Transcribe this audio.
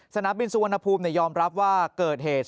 สนามบินสุวรรณภูมิยอมรับว่าเกิดเหตุ